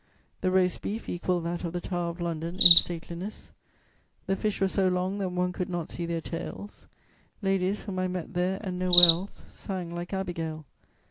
The roast beef equalled that of the Tower of London in stateliness; the fish were so long that one could not see their tails; ladies, whom I met there and nowhere else, sang like Abigail.